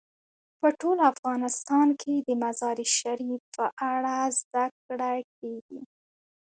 په ټول افغانستان کې د مزارشریف په اړه زده کړه کېږي.